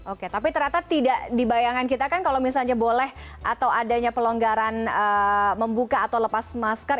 oke tapi ternyata tidak dibayangan kita kan kalau misalnya boleh atau adanya pelonggaran membuka atau lepas masker